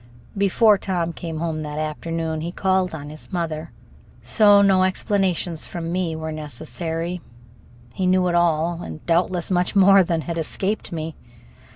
Before Tom came home that afternoon he called on his mother, so no explanations from me were necessary. He knew it all, and doubtless much more than had escaped me.